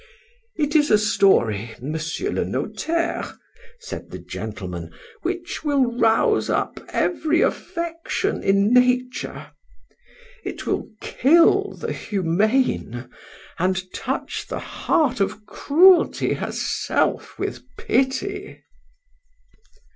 — It is a story, Monsieur le Notaire, said the gentleman, which will rouse up every affection in nature;—it will kill the humane, and touch the heart of Cruelty herself with pity.